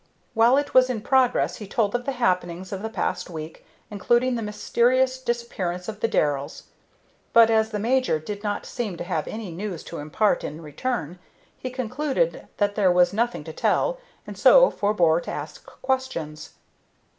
While it was in progress he told of the happenings of the past week, including the mysterious disappearance of the Darrells; but, as the major did not seem to have any news to impart in return, he concluded that there was none to tell, and so forbore to ask questions.